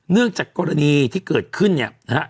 จากกรณีที่เกิดขึ้นเนี่ยนะฮะ